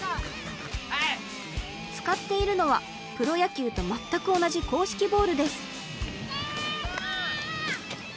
使っているのはプロ野球と全く同じ硬式ボールです。